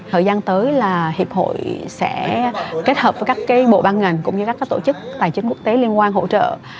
thời gian tới là hiệp hội sẽ kết hợp với các bộ ban ngành cũng như các tổ chức tài chính quốc tế liên quan hỗ trợ